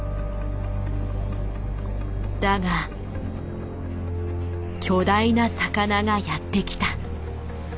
だが巨大な魚がやって来た。